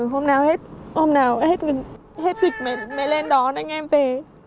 hôm nào hết hôm nào hết thịt mẹ lên đón anh em về